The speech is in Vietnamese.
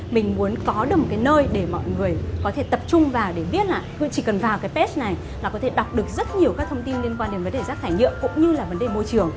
mình muốn có được một cái nơi để mọi người có thể tập trung vào để biết là chỉ cần vào cái paste này là có thể đọc được rất nhiều các thông tin liên quan đến vấn đề rác thải nhựa cũng như là vấn đề môi trường